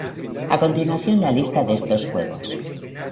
A continuación la lista de estos juegos.